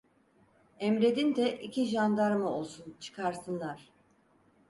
Emredin de iki jandarma olsun çıkarsınlar…